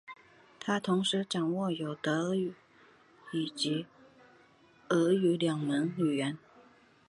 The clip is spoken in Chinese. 他同时掌握有德语及俄语两门语言。